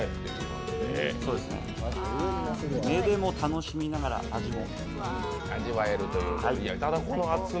目でも楽しみながら味も。